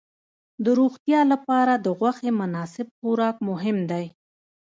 د روغتیا لپاره د غوښې مناسب خوراک مهم دی.